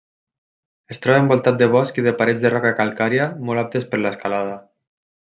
Es troba envoltat de bosc i de parets de roca calcària molt aptes per l'escalada.